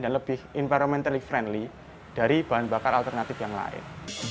dan lebih environmentally friendly dari bahan bakar alternatif yang lain